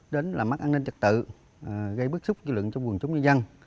đến mắc an ninh trật tự gây bức xúc kỷ lượng trong quần chống nhân dân